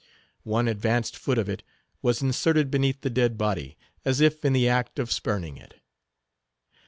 One advanced foot of it was inserted beneath the dead body, as if in the act of spurning it.